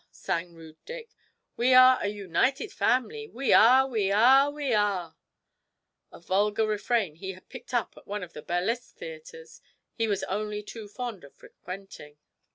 sang rude Dick, 'we are a united family we are, we are, we are!' a vulgar refrain he had picked up at one of the burlesque theatres he was only too fond of frequenting.